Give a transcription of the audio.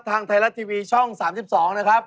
ทางไทยรัฐทีวีช่อง๓๒นะครับ